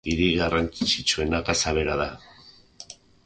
Hiririk garrantzitsuena Gaza bera da.